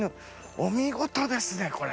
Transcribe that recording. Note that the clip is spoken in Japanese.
お見事ですねこれ。